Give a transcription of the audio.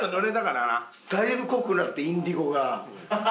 だいぶ濃くなってインディゴが。